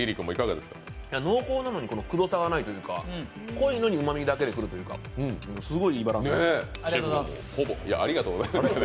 濃厚なのに、くどさがないというか、濃いのにうまみだけでくるというか、すごいいいバランスです。